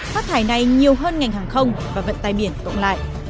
phát thải này nhiều hơn ngành hàng không và vận tay biển cộng lại